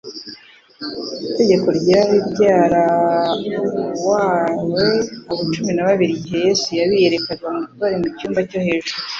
Itegeko ryari ryarauawe abo cumi na babiri igihe Yesu yabiyerekaga bari mu cyumba cyo hejuru;